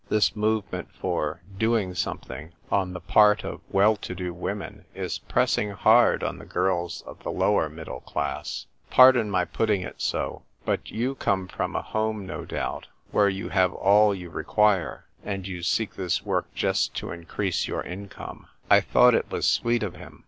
This movement for ' doing something' on the part of well to do women is pressing hard on the girls of the lower middle class. Pardon my putting it so ; but 3 ou come from a home, no doubt, where you have all you require ; and you seek this work just to increase your income." I 3 124 THE TYPE WRITER GIRL. 1 thought it was sweet of him.